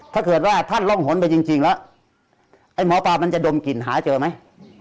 ถ้าเกิดว่าท่านร่องหนไปจริงแล้วไอ้หมอปลามันจะดมกลิ่นหาเจอไหม